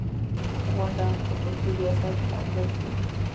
غونډه په کلتور ریاست په انګړ کې وه.